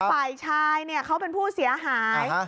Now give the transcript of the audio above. ฝ่ายชายเขาเป็นผู้เสียหาย